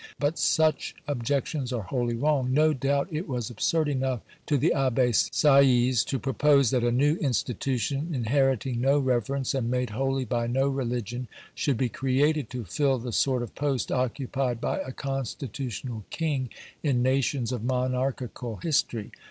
But such objections are wholly wrong. No doubt it was absurd enough in the Abbe Sieyes to propose that a new institution, inheriting no reverence, and made holy by no religion, should be created to fill the sort of post occupied by a constitutional king in nations of monarchical history.